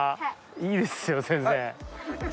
いいですよ全然。））